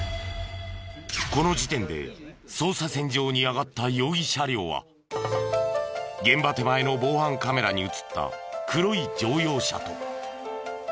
この時点で捜査線上にあがった現場手前の防犯カメラに映った黒い乗用車と。